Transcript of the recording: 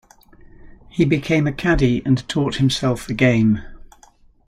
He became a caddie and taught himself the game.